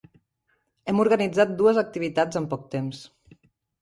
Hem organitzat dues activitats en poc temps.